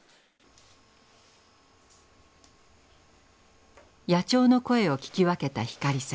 野鳥の声を聞き分けた光さん。